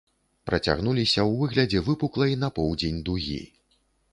Працягнуліся ў выглядзе выпуклай на поўдзень дугі.